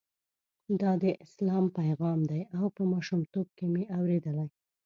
دا د اسلام پیغام دی او په ماشومتوب کې مې اورېدلی.